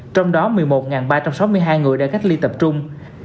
trong đó một mươi một ba trăm sáu mươi hai người đang cách ly tập trung